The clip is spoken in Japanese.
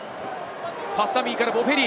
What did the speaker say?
パスダミーからボフェリ。